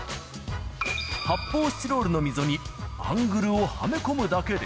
発砲スチロールの溝にアングルをはめ込むだけで、